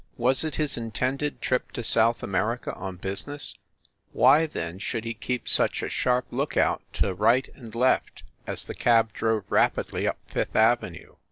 Was it his intended trip to South America on business ? Why, then, should he keep such a sharp lookout to right and left, as the cab drove rapidly up Fifth Avenue?